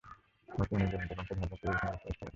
বর্তমানে এই জমিদার বংশধররা কেউই এখানে বসবাস করেন না।